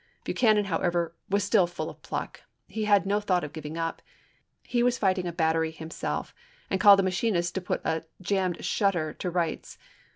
Buchanan, however, was still full of pluck ; he had no thought of giving up. He was fighting a bat tery himself, and called a machinist to put a jammed shutter to rights.